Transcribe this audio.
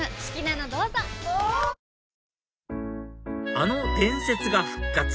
「あの伝説が復活‼」